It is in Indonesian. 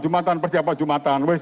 jumatan perjalanan jumatan